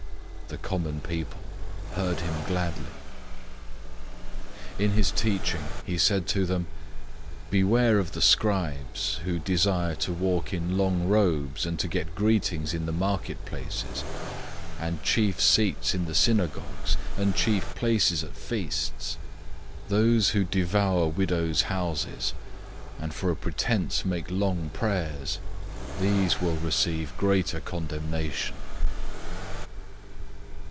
The common people heard him gladly. 012:038 In his teaching he said to them, "Beware of the scribes, who like to walk in long robes, and to get greetings in the marketplaces, 012:039 and the best seats in the synagogues, and the best places at feasts: 012:040 those who devour widows' houses, and for a pretense make long prayers. These will receive greater condemnation."